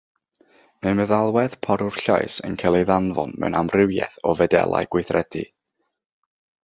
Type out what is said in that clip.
Mae meddalwedd porwr llais yn cael ei ddanfon mewn amrywiaeth o fedelau gweithredu.